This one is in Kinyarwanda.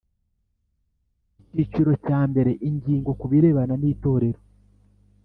Icyiciro cya mbere Ingingo ku birebana nitorero